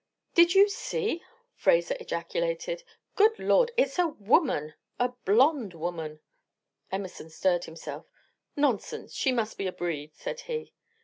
"Did you see?" Fraser ejaculated. "Good Lord, it's a woman! A blonde woman!" Emerson stirred himself. "Nonsense! She must be a breed," said he.